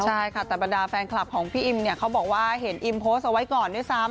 ใช่ค่ะแต่บรรดาแฟนคลับของพี่อิมเนี่ยเขาบอกว่าเห็นอิมโพสต์เอาไว้ก่อนด้วยซ้ำ